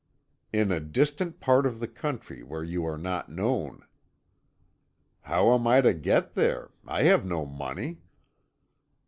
"In a distant part of the country where you are not known." "How am I to get there? I have no money."